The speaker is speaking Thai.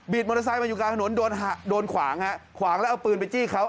มอเตอร์ไซค์มาอยู่กลางถนนโดนขวางฮะขวางแล้วเอาปืนไปจี้เขา